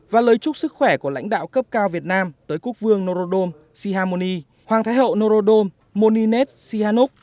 và lời chúc sức khỏe của lãnh đạo cấp cao việt nam tới quốc vương norodom sihamoni hoàng thái hậu norodom moninet sihanov